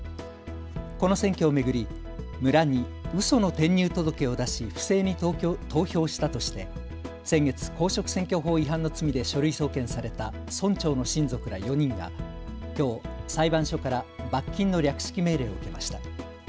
この選挙を巡り村にうその転入届を出し不正に投票したとして先月、公職選挙法違反の罪で書類送検された村長の親族ら４人がきょう裁判所から罰金の略式命令を受けました。